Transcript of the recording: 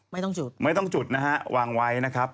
ไม่ต้องจุดไม่ต้องจุดนะฮะวางไว้นะครับ